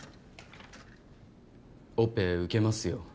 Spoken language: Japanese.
オペ受けますよ